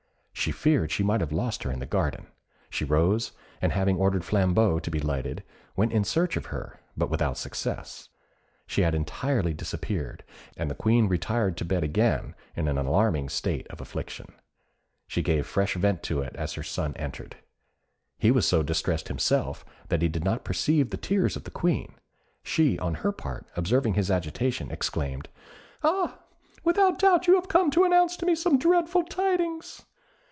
She feared she might have lost her in the garden: she rose, and having ordered flambeaux to be lighted, went in search of her, but without success she had entirely disappeared, and the Queen retired to bed again in an alarming state of affliction; she gave fresh vent to it as her son entered. He was so distressed himself that he did not perceive the tears of the Queen. She, on her part, observing his agitation, exclaimed, "Ah! without doubt, you have come to announce to me some dreadful tidings!"